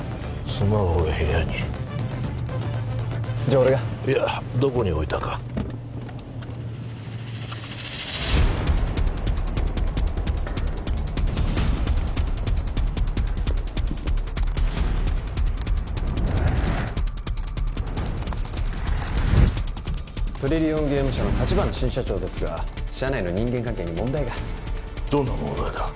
スマホを部屋にじゃあ俺がいやどこに置いたかトリリオンゲーム社の橘新社長ですが社内の人間関係に問題がどんな問題だ？